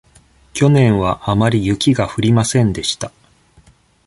去年はあまり雪が降りませんでした。